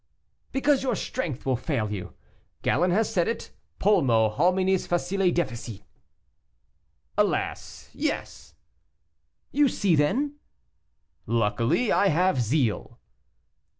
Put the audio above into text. "Because your strength will fail you. Galen has said it. Pulmo hominis facile deficit." "Alas! yes." "You see, then?" "Luckily, I have zeal."